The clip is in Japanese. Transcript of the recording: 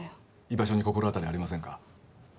居場所に心当たりありませんか？